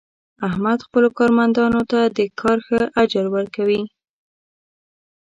احمد خپلو کارمندانو ته د کار ښه اجر ور کوي.